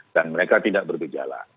dan mereka tidak bergejala